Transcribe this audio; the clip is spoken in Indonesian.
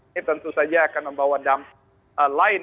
ini tentu saja akan membawa dampak lain